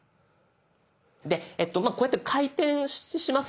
でこうやって回転しますよね。